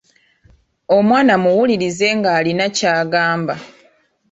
Omwana muwulirize ng’alina ky’agamba.